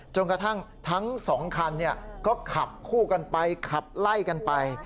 กระทั่งทั้งสองคันก็ขับคู่กันไปขับไล่กันไป